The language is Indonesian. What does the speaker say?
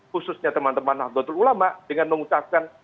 khususnya teman teman al ghutul ulama dengan mengucapkan